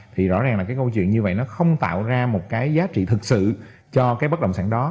thì rõ ràng là cái câu chuyện như vậy nó không tạo ra một cái giá trị thực sự cho cái bất động sản đó